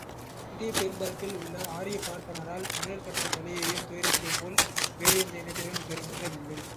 இந்தியப் பெரும்பரப்பில் உள்ள ஆரியப் பார்ப்பனரால் தமிழர் பெற்ற தொல்லையையும் துயரத்தையும் போல் வேறு எந்த இனத்தினரும் பெற்றிலர்.